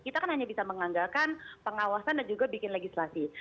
kita kan hanya bisa menganggarkan pengawasan dan juga bikin legislasi